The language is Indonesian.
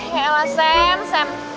ya elah sam sam